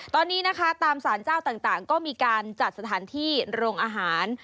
ตอนนี้นะคะตามสารเจ้าต่างก็มีการจัดสถานที่โรงอาหาร